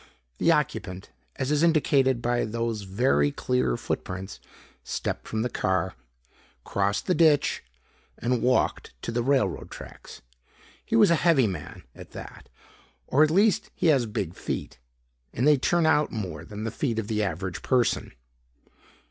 "The occupant, as is indicated by those very clear foot prints, stepped from the car, crossed the ditch and walked to the railroad tracks. He was a heavy man, at that, or at least he has big feet. And they turn out more than the feet of the average person."